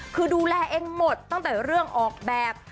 คือดูแลเองหมดตั้งแต่เรื่องออกแบบ